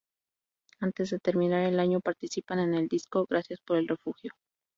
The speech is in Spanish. Antes de terminar el año participan en el disco "Gracias Por El Refugio.